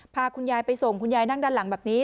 พาคุณยายไปส่งคุณยายนั่งด้านหลังแบบนี้